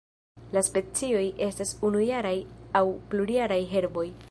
La specioj estas unujaraj aŭ plurjaraj herboj.